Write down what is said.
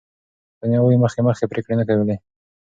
ثانیه وايي، مخکې مخکې پرېکړې نه کولې.